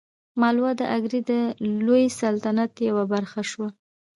مالوه د اګرې د لوی سلطنت یوه برخه شوه.